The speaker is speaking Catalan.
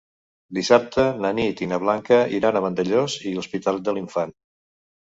Dissabte na Nit i na Blanca iran a Vandellòs i l'Hospitalet de l'Infant.